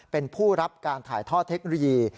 เป็นผู้รับการถ่ายทอดเทคโนโลยี